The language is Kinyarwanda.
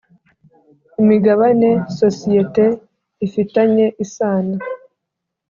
imigabane sosiyete ifitanye isano